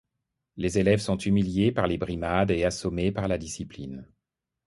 Les élèves sont humiliés par les brimades et assommés par la discipline.